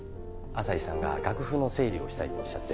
朝陽さんが楽譜の整理をしたいとおっしゃって。